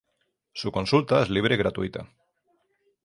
Su consulta es libre y gratuita.